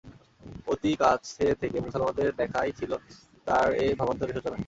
অতি কাছে থেকে মুসলমানদের দেখাই ছিল তার এ ভাবান্তরের সূচনা।